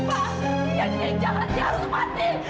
pak dia jadi yang jangan dia harus mati